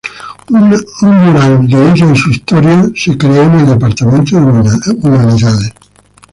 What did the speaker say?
Un mural de ella y su historia fue creado en el Departamento de Humanidades.